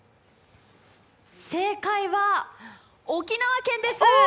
正解は沖縄県です！